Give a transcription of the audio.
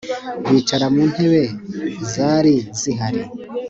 bicara muntebe zari zihari